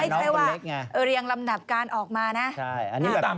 ไม่ใช่ว่าเกิปเรียงลำดับการสถานการณ์ออกมานะ